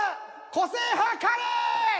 個性派カレー！